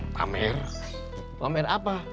pamer pamer apa